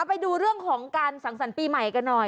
ไปดูเรื่องของการสังสรรค์ปีใหม่กันหน่อย